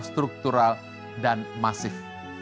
struktural dan masif